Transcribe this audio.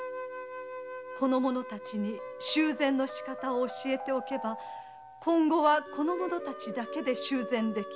修繕のしかたを教えておけば今後はこの者たちだけで修繕できる。